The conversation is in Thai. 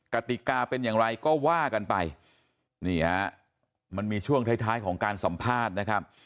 กติกาเป็นอย่างไรก็ว่ากันไปนี่ฮะมันมีช่วงท้ายท้ายของการสัมภาษณ์นะครับ